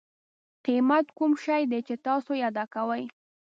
قیمت کوم شی دی چې تاسو یې ادا کوئ.